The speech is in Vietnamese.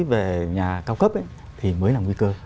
về nhà cao cấp thì mới là nguy cơ